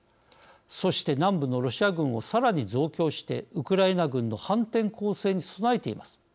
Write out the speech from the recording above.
そして南部のロシア軍をさらに増強してウクライナ軍の反転攻勢に備えています。